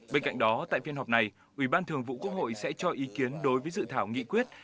bên cạnh đó tại phiên họp này ubnd sẽ cho ý kiến đối với dự thảo nghị quyết